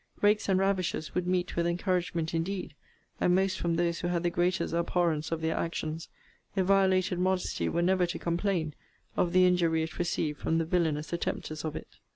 Rakes and ravishers would meet with encouragement indeed, and most from those who had the greatest abhorrence of their actions, if violated modesty were never to complain of the injury it received from the villanous attempters of it.